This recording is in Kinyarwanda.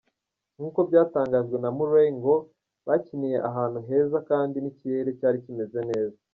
Nkuko byatangajwe na Murray ngo bakiniye ahantuheza kandi n’ikirere cyari kimeze neza cyane.